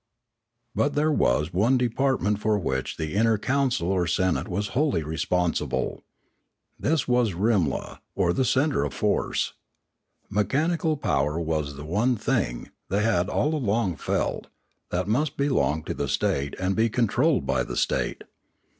But there was one department for which the inner council or senate was wholly responsible. This was Rimla, or the centre of force. Mechanical power was the one thing, they had all along felt, that must belong to the state and be controlled by the state.